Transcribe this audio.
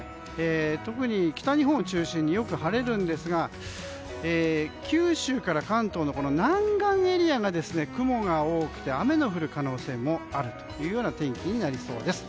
特に北日本を中心によく晴れるんですが九州から関東の南岸エリアが雲が多くて雨の降る可能性もあるという天気になりそうです。